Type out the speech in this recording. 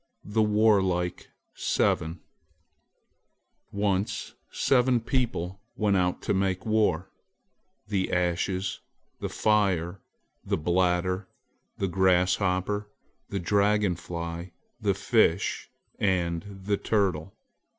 THE WARLIKE SEVEN ONCE seven people went out to make war, the Ashes, the Fire, the Bladder, the Grasshopper, the Dragon Fly, the Fish, and the Turtle.